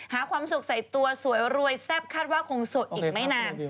ความสุขใส่ตัวสวยรวยแซ่บคาดว่าคงสดอีกไม่นาน